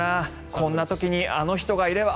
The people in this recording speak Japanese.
こんな時にあの人がいれば。